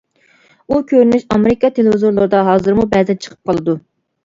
ئۇ كۆرۈنۈش ئامېرىكا تېلېۋىزورلىرىدا ھازىرمۇ بەزىدە چىقىپ قالىدۇ.